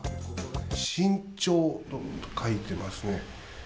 慎重と書いてますね。